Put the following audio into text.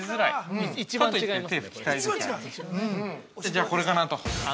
じゃあ、これかなと。